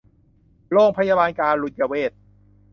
โรงพยาบาลการุญเวช